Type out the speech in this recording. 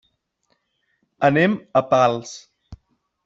Anem a Pals.